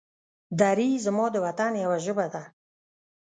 دري زما د وطن يوه ژبه ده.